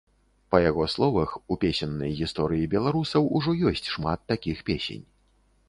Па яго словах, у песеннай гісторыі беларусаў ужо ёсць шмат такіх песень.